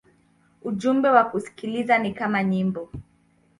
Ujumbe wa kusikiliza ni kama nyimbo.